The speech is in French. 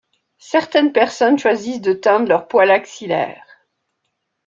Certaines personnes choisissent de teindre leurs poils axillaires.